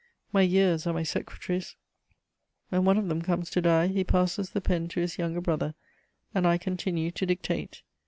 My years are my secretaries: when one of them comes to die, he passes the pen to his younger brother, and I continue to dictate.